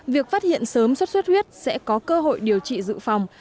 việc phát hiện sớm xuất xuất huyết sẽ có cơ hội điều trị dự phòng